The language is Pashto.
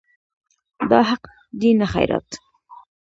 دا حق دی نه خیرات.